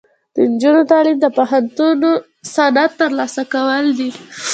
د نجونو تعلیم د پوهنتون سند ترلاسه کول دي.